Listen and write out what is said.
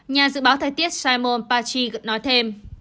nhà dự báo thời tiết simon pachy nói